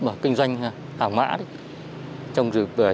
và kinh doanh phảng bã